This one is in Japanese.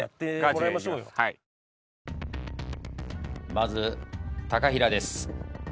まず平です。